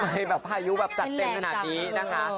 ไฮยุจัดเต็มขนาดนี้นะคะ